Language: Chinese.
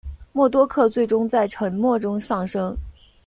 默多克最终在沉没中丧生。